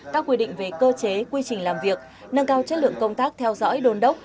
các quy định về cơ chế quy trình làm việc nâng cao chất lượng công tác theo dõi đồn đốc